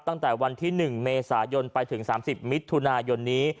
ตั้งแต่วันที่๑เมษายนไปถึง๓๐มิถุนายนนี้